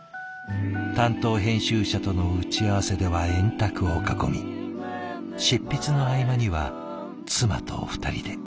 担当編集者との打ち合わせでは円卓を囲み執筆の合間には妻と２人で。